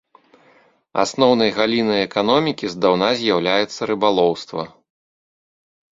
Асноўнай галінай эканомікі здаўна з'яўляецца рыбалоўства.